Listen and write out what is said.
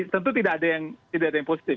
tentu tidak ada yang positif